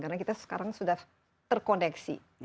karena kita sekarang sudah terkoneksi